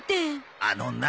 あのな。